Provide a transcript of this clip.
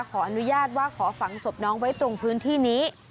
ขออนุญาตว่าขอฝังศพน้องไว้ตรงพื้นที่นี้